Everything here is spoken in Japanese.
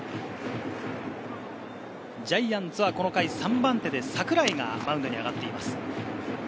ジャイアンツはこの回、３番手で桜井がマウンドに上がっています。